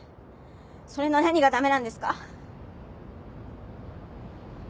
それの何が駄目なんですか？